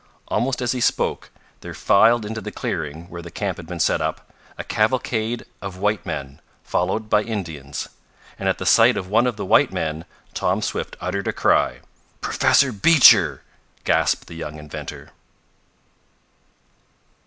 Almost as he spoke there filed into the clearing where the camp had been set up, a cavalcade of white men, followed by Indians. And at the sight of one of the white men Tom Swift uttered a cry. "Professor Beecher!" gasped the young inventor.